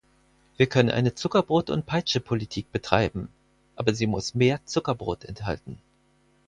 Wir können eine Zuckerbrot-und-Peitsche-Politik betreiben, aber sie muss mehr Zuckerbrot enthalten.